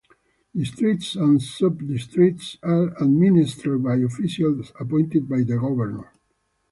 Districts and subdistricts are administered by officials appointed by the governor.